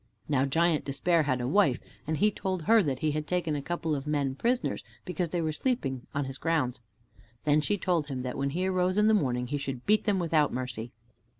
Now Giant Despair had a wife, and he told her he had taken a couple of men prisoners, because they were sleeping on his grounds. Then she told him that, when he arose in the morning, he should beat them without mercy.